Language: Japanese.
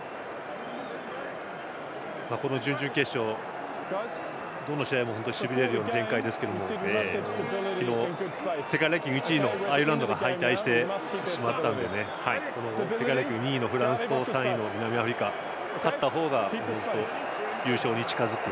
この準々決勝、どの試合もしびれるような展開ですが、昨日世界ランキング１位のアイルランドが敗退してしまったので世界ランキング２位のフランスと３位の南アフリカ勝った方が優勝に近づく。